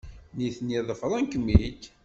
Nitni ḍefren-kem-id.